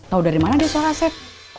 mungkin dia tahu kamu pinjam uang ke asep